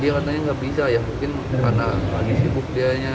dia katanya nggak bisa ya mungkin karena lagi sibuk dianya